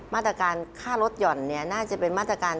มาตรการค่ารถหย่อนน่าจะเป็นมาตรการ